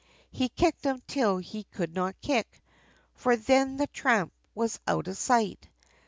He kicked him, till he could not kick, For then the tramp was out of sight!